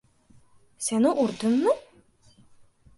— Seni urdimmi?